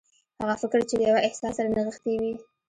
هغه فکر چې له يوه احساس سره نغښتي وي.